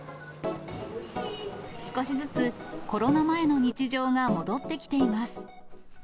少しずつコロナ前の日常が戻ってきています。